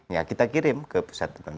ya kita kirim ke pusat